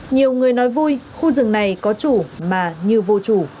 nhiều người nói vui khu rừng này có chủ mà như vô chủ